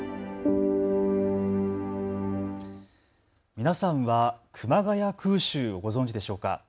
皆さんは熊谷空襲をご存じでしょうか。